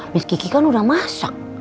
bis kiki kan udah masak